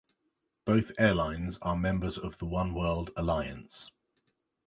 Both airlines are members of the Oneworld alliance.